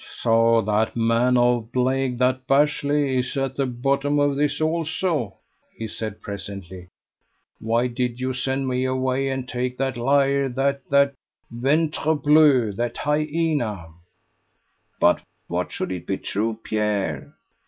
"So, that man of blague, that Bashley, is at the bottom of this also," he said presently. "Why did you send me away, and take that liar, that that ventrebleu that hyena?" "But what should it be true, Pierre?